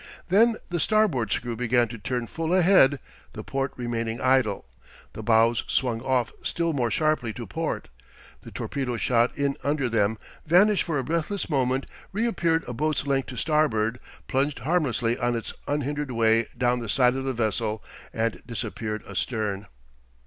Then the starboard screw began to turn full ahead, the port remaining idle. The bows swung off still more sharply to port. The torpedo shot in under them, vanished for a breathless moment, reappeared a boat's length to starboard, plunged harmlessly on its unhindered way down the side of the vessel, and disappeared astern.